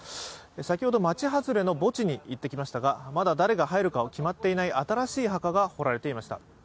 先ほど、町外れの墓地に行ってきましたがまだ誰が入るか決まっていない新しい墓が掘られていました。